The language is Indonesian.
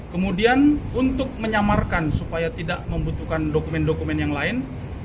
kemudian untuk menyamarkan supaya tidak membutuhkan dokumen dokumen yang lain